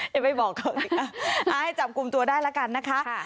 อย่าไปบอกเขาอีกค่ะให้จับกลุ่มตัวได้แล้วกันนะคะ